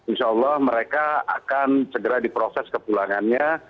insya allah mereka akan segera diproses ke pulangannya